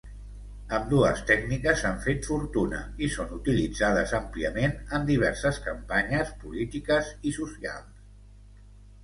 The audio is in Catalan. Ambdues tècniques han fet fortuna i són utilitzades àmpliament en diverses campanyes polítiques i socials.